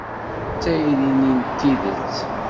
D tayri-nni n tidet.